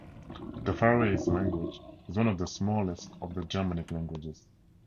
The Faroese language is one of the smallest of the Germanic languages.